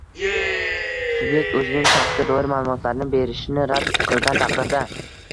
Subyekt o‘zining shaxsga doir ma’lumotlarini berishni rad qilgan taqdirda